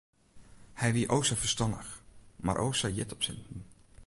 Hy wie o sa ferstannich mar o sa hjit op sinten.